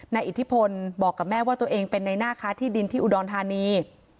อิทธิพลบอกกับแม่ว่าตัวเองเป็นในหน้าค้าที่ดินที่อุดรธานี